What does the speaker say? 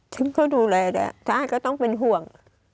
ฉันก็ดูแลได้ถ้าก็ต้องเป็นห่วง